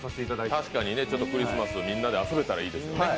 確かにクリスマスみんなで遊べたらいいですよね。